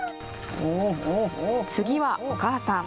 次は、お母さん。